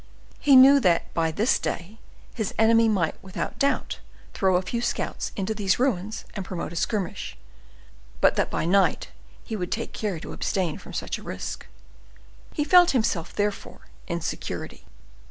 He knew that by this day his enemy might without doubt throw a few scouts into these ruins and promote a skirmish, but that by night he would take care to abstain from such a risk. He felt himself, therefore, in security.